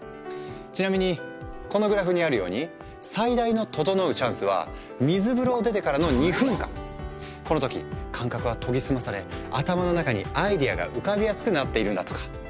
ちなみにこのグラフにあるように最大の「ととのう」チャンスは水風呂を出てからのこの時感覚は研ぎ澄まされ頭の中にアイデアが浮かびやすくなっているんだとか。